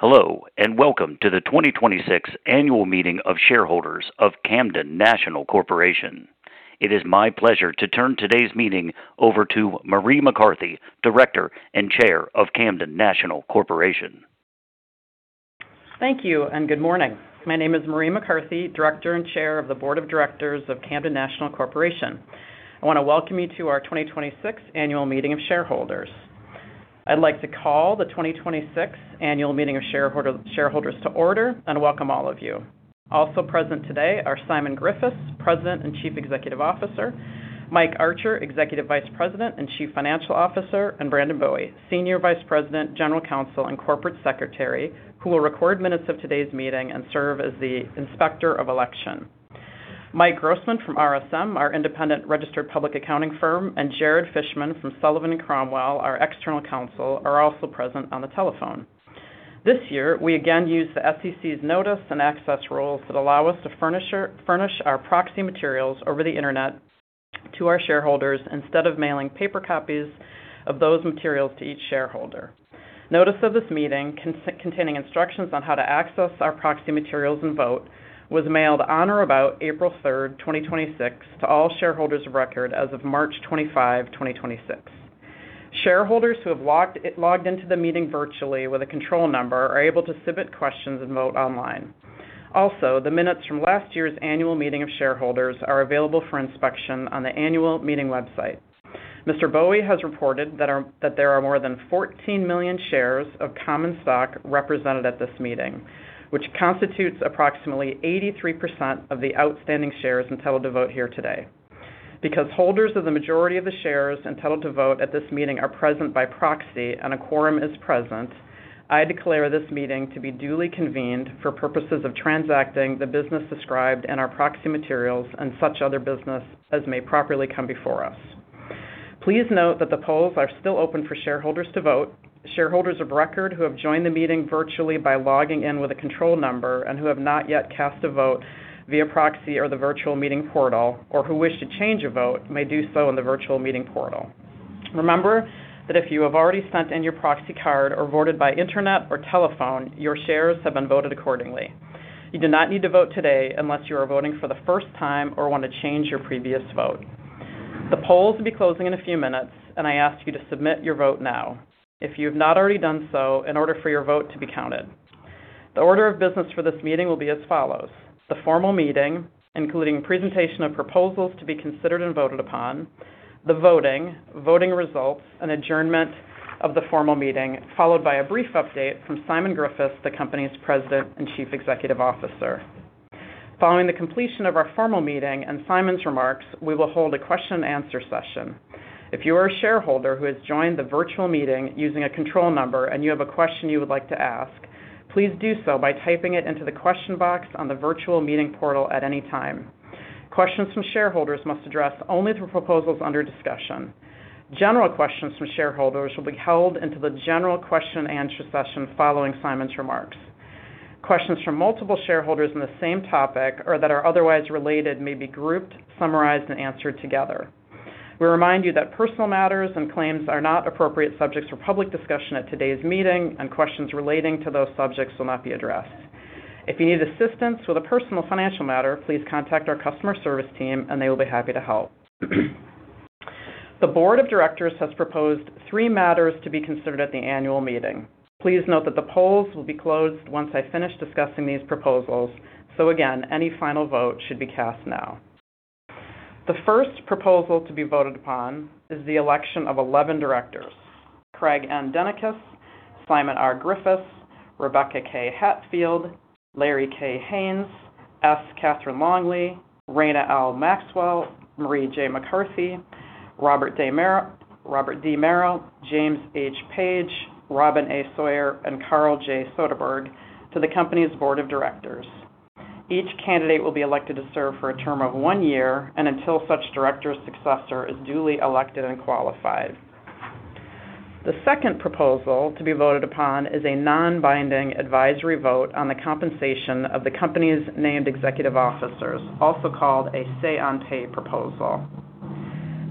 Hello, and welcome to the 2026 Annual Meeting of Shareholders of Camden National Corporation. It is my pleasure to turn today's meeting over to Marie McCarthy, Director and Chair of Camden National Corporation. Thank you, and good morning. My name is Marie McCarthy, Director and Chair of the Board of Directors of Camden National Corporation. I want to welcome you to our 2026 Annual Meeting of Shareholders. I'd like to call the 2026 Annual Meeting of Shareholders to order and welcome all of you. Also present today are Simon Griffiths, President and Chief Executive Officer; Mike Archer, Executive Vice President and Chief Financial Officer; and Brandon Boey, Senior Vice President, General Counsel, and Corporate Secretary, who will record minutes of today's meeting and serve as the Inspector of Election. Mike Grossman from RSM, our independent registered public accounting firm, and Jared Fishman from Sullivan & Cromwell, our external counsel, are also present on the telephone. This year, we again use the SEC's notice and access rules that allow us to furnish our proxy materials over the internet to our shareholders instead of mailing paper copies of those materials to each shareholder. Notice of this meeting containing instructions on how to access our proxy materials and vote was mailed on or about April 3rd, 2026 to all shareholders of record as of March 25, 2026. Shareholders who have logged into the meeting virtually with a control number are able to submit questions and vote online. Also, the minutes from last year's annual meeting of shareholders are available for inspection on the annual meeting website. Mr. Boey has reported that there are more than 14 million shares of common stock represented at this meeting, which constitutes approximately 83% of the outstanding shares entitled to vote here today. Because holders of the majority of the shares entitled to vote at this meeting are present by proxy and a quorum is present, I declare this meeting to be duly convened for purposes of transacting the business described in our proxy materials and such other business as may properly come before us. Please note that the polls are still open for shareholders to vote. Shareholders of record who have joined the meeting virtually by logging in with a control number and who have not yet cast a vote via proxy or the virtual meeting portal or who wish to change a vote may do so in the virtual meeting portal. Remember that if you have already sent in your proxy card or voted by Internet or telephone, your shares have been voted accordingly. You do not need to vote today unless you are voting for the first time or want to change your previous vote. The polls will be closing in a few minutes, and I ask you to submit your vote now if you have not already done so in order for your vote to be counted. The order of business for this meeting will be as follows. The formal meeting, including presentation of proposals to be considered and voted upon. The voting. Voting results. An adjournment of the formal meeting, followed by a brief update from Simon Griffiths, the company's President and Chief Executive Officer. Following the completion of our formal meeting and Simon's remarks, we will hold a question and answer session. If you are a shareholder who has joined the virtual meeting using a control number and you have a question you would like to ask, please do so by typing it into the question box on the virtual meeting portal at any time. Questions from shareholders must address only the proposals under discussion. General questions from shareholders will be held until the general question and answer session following Simon's remarks. Questions from multiple shareholders on the same topic or that are otherwise related may be grouped, summarized, and answered together. We remind you that personal matters and claims are not appropriate subjects for public discussion at today's meeting, and questions relating to those subjects will not be addressed. If you need assistance with a personal financial matter, please contact our customer service team, and they will be happy to help. The board of directors has proposed three matters to be considered at the annual meeting. Please note that the polls will be closed once I finish discussing these proposals. Again, any final vote should be cast now. The first proposal to be voted upon is the election of 11 directors, Craig N. Denekas, Simon R. Griffiths, Rebecca Hatfield, Larry Haynes, S. Catherine Longley, Raina L. Maxwell, Marie J. McCarthy, Robert D. Merrill, James H. Page, Robin A. Sawyer, and Carl J. Soderberg to the company's board of directors. Each candidate will be elected to serve for a term of one year and until such director's successor is duly elected and qualified. The second proposal to be voted upon is a non-binding advisory vote on the compensation of the company's named executive officers, also called a say-on-pay proposal.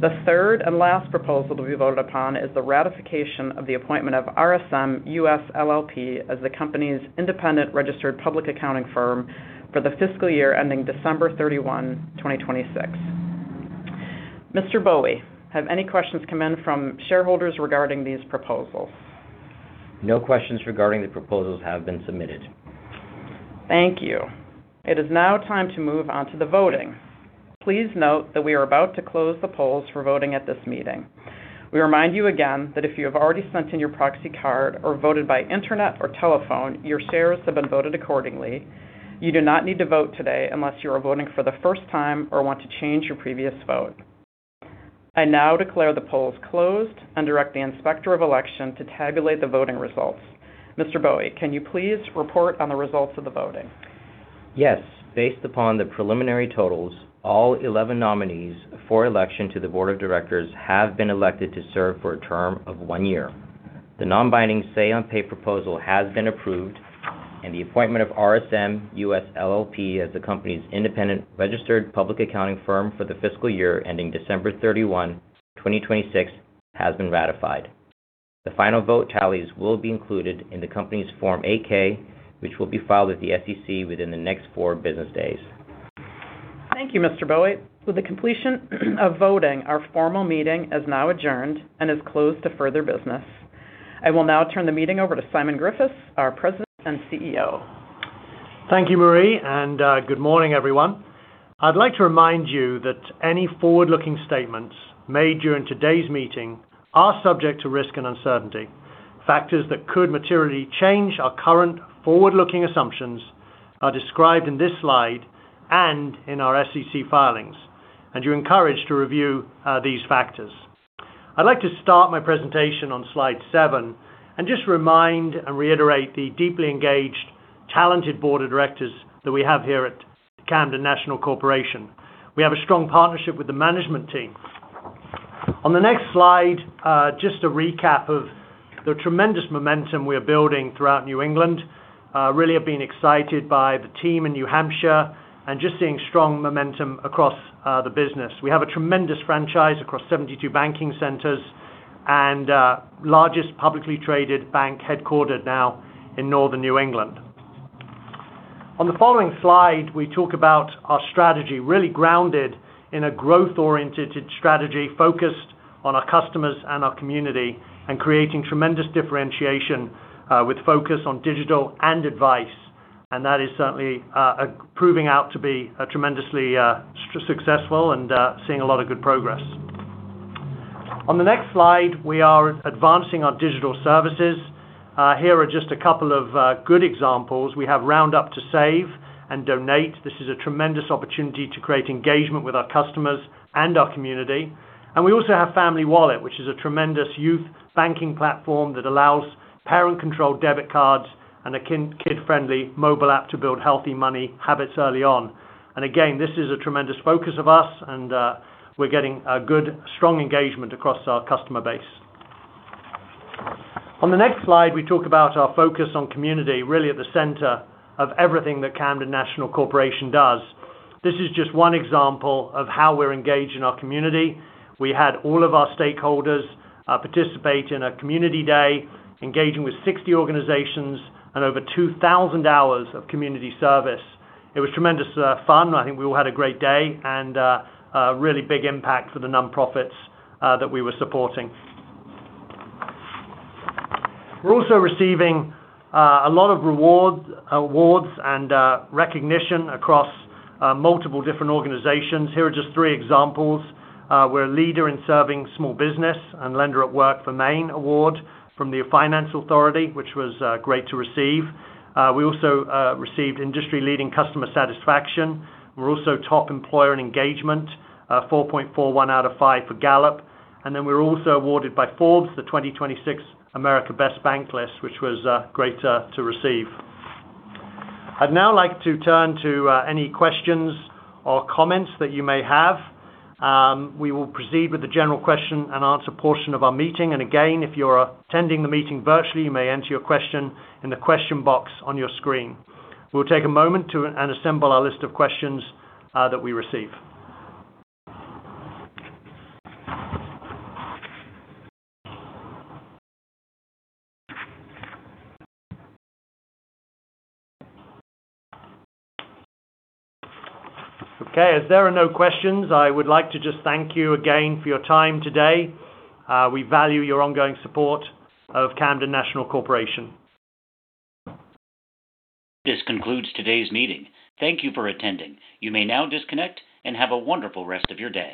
The third and last proposal to be voted upon is the ratification of the appointment of RSM US LLP as the company's independent registered public accounting firm for the fiscal year ending December 31, 2026. Mr. Boey, have any questions come in from shareholders regarding these proposals? No questions regarding the proposals have been submitted. Thank you. It is now time to move on to the voting. Please note that we are about to close the polls for voting at this meeting. We remind you again that if you have already sent in your proxy card or voted by Internet or telephone, your shares have been voted accordingly. You do not need to vote today unless you are voting for the first time or want to change your previous vote. I now declare the polls closed and direct the Inspector of Election to tabulate the voting results. Mr. Boey, can you please report on the results of the voting? Yes. Based upon the preliminary totals, all 11 nominees for election to the Board of Directors have been elected to serve for a term of 1 year. The non-binding say-on-pay proposal has been approved. The appointment of RSM US LLP as the company's independent registered public accounting firm for the fiscal year ending December 31, 2026 has been ratified. The final vote tallies will be included in the company's Form 8-K, which will be filed with the SEC within the next four business days. Thank you, Mr. Boey. With the completion of voting, our formal meeting is now adjourned and is closed to further business. I will now turn the meeting over to Simon Griffiths, our President and CEO. Thank you, Marie, and good morning, everyone. I'd like to remind you that any forward-looking statements made during today's meeting are subject to risk and uncertainty. Factors that could materially change our current forward-looking assumptions are described in this slide and in our SEC filings. You're encouraged to review these factors. I'd like to start my presentation on slide seven and just remind and reiterate the deeply engaged, talented board of directors that we have here at Camden National Corporation. We have a strong partnership with the management team. On the next slide, just a recap of the tremendous momentum we're building throughout New England. Really have been excited by the team in New Hampshire and just seeing strong momentum across the business. We have a tremendous franchise across 72 banking centers and largest publicly traded bank headquartered now in Northern New England. On the following slide, we talk about our strategy really grounded in a growth-oriented strategy focused on our customers and our community and creating tremendous differentiation, with focus on digital and advice. That is certainly proving out to be tremendously successful and seeing a lot of good progress. On the next slide, we are advancing our digital services. Here are just a couple of good examples. We have Round Up to Save & Donate. This is a tremendous opportunity to create engagement with our customers and our community. We also have Family Wallet, which is a tremendous youth banking platform that allows parent-controlled debit cards and a kid-friendly mobile app to build healthy money habits early on. Again, this is a tremendous focus of us and we're getting a good, strong engagement across our customer base. On the next slide, we talk about our focus on community, really at the center of everything that Camden National Corporation does. This is just one example of how we're engaged in our community. We had all of our stakeholders participate in a community day, engaging with 60 organizations and over 2,000 hours of community service. It was tremendous fun. I think we all had a great day and a really big impact for the nonprofits that we were supporting. We're also receiving a lot of awards and recognition across multiple different organizations. Here are justthree examples. We're a leader in serving small business and Lender at Work for Maine award from the Finance Authority, which was great to receive. We also received industry-leading customer satisfaction. We're also top employer in engagement, 4.41 out of five for Gallup. We're also awarded by Forbes, the 2026 America's Best Banks List, which was great to receive. I'd now like to turn to any questions or comments that you may have. We will proceed with the general question and answer portion of our meeting. If you're attending the meeting virtually, you may enter your question in the question box on your screen. We'll take a moment to assemble our list of questions that we receive. As there are no questions, I would like to just thank you again for your time today. We value your ongoing support of Camden National Corporation. This concludes today's meeting. Thank you for attending. You may now disconnect and have a wonderful rest of your day.